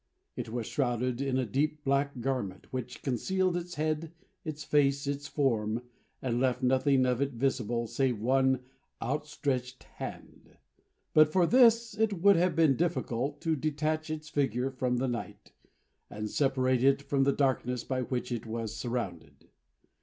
It was shrouded in a deep black garment, which concealed its head, its face, its form, and left nothing of it visible, save one outstretched hand. But for this it would have been difficult to detach its figure from the night, and separate it from the darkness by which it was surrounded.